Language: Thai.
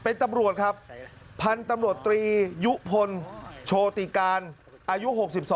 เป็นตำรวจครับพันธุ์ตำรวจตรียุพลโชติการอายุ๖๒